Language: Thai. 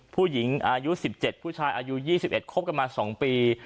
ผู้หญิงอายุ๑๗ผู้ชายอายุ๒๑คบกันมา๒ปี